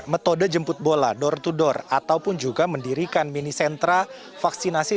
metode jemput bola door to door ataupun juga mendirikan mini sentra vaksinasi